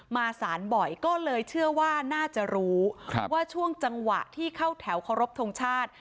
สารบ่อยก็เลยเชื่อว่าน่าจะรู้ว่าช่วงจังหวะที่เข้าแถวเคารพทงชาติ